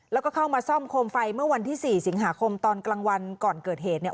แล้วก็เข้ามาซ่อมโคมไฟเมื่อวันที่๔สิงหาคมตอนกลางวันก่อนเกิดเหตุเนี่ย